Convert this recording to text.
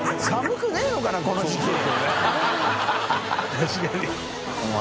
確かに